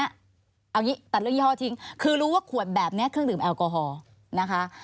เอาอย่างนี้ตัดเรื่องยี่ห้อทิ้งคือรู้ว่าขวดแบบนี้เครื่องดื่มแอลกอฮอล์นะคะ